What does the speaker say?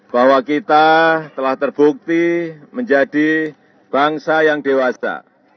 bahwa kita telah terbukti menjadi bangsa yang dewasa